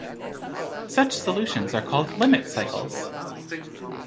Such solutions are called limit cycles.